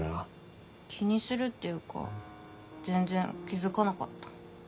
気にするっていうか全然気付かなかった。